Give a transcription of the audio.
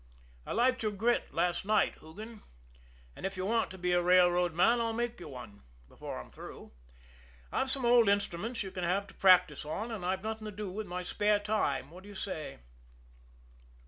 "I liked your grit last night, Hoogan. And if you want to be a railroad man, I'll make you one before I'm through. I've some old instruments you can have to practise with, and I've nothing to do in my spare time. What do you say?"